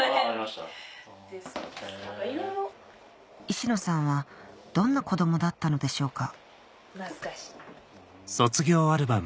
石野さんはどんな子供だったのでしょうか？